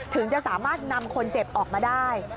ถึงจะสามารถนำคนเจ็บออกมาได้